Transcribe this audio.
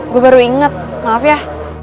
gue baru inget maaf ya